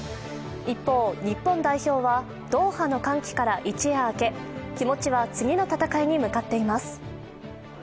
一方、日本代表はドーハの歓喜から一夜明け、気持ちは次の戦いに向かっています。